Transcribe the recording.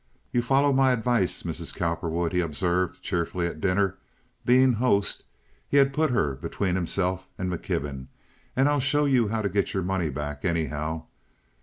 "You follow my advice, Mrs. Cowperwood," he observed, cheerfully, at dinner—being host, he had put her between himself and McKibben—"and I'll show you how to get your money back anyhow.